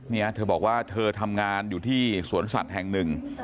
เนี่ยเธอบอกว่าเธอทำงานอยู่ที่สวนสัตว์แห่งหนึ่ง